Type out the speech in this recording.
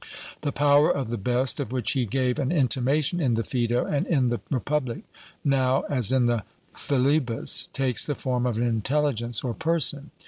The power of the best, of which he gave an intimation in the Phaedo and in the Republic, now, as in the Philebus, takes the form of an intelligence or person.